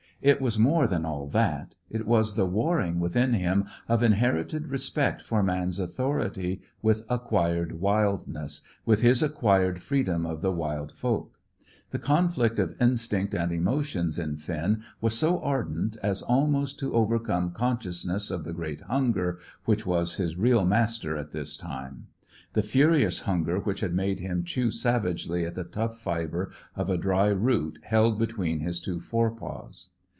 It was more than all that. It was the warring within him of inherited respect for man's authority with acquired wildness; with his acquired freedom of the wild folk. The conflict of instinct and emotions in Finn was so ardent as almost to overcome consciousness of the great hunger which was his real master at this time; the furious hunger which had made him chew savagely at the tough fibre of a dry root held between his two fore paws.